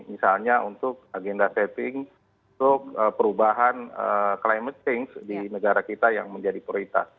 misalnya untuk agenda setting untuk perubahan climate change di negara kita yang menjadi prioritas